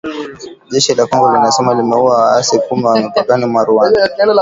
Jeshi la Kongo linasema limeua waasi kumi wa mipakani mwa Rwanda